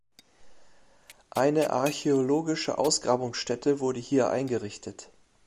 Eine archäologische Ausgrabungsstätte wurde hier eingerichtet.